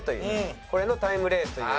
これのタイムレースという。